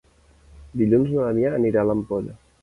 Dilluns na Damià anirà a l'Ampolla.